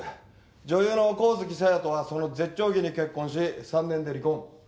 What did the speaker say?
女優の神月沙代とはその絶頂期に結婚し３年で離婚。